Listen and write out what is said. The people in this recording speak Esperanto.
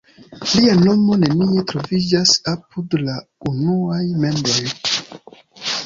Lia nomo nenie troviĝas apud la unuaj membroj.